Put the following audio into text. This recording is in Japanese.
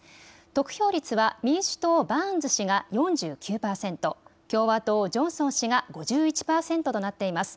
得票率は、民主党、バーンズ氏が４９％、共和党、ジョンソン氏が５１％となっています。